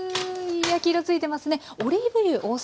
焼き色付いてますね。